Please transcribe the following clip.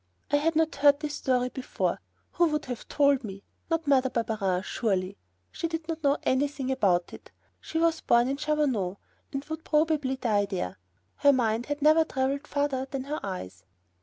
I had not heard this story before. Who would have told me? Not Mother Barberin, surely! She did not know anything about it. She was born at Chavanon, and would probably die there. Her mind had never traveled farther than her eyes.